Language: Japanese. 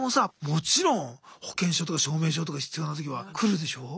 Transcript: もちろん保険証とか証明書とか必要な時は来るでしょう？